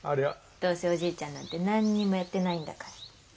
どうせおじいちゃんなんて何にもやってないんだから。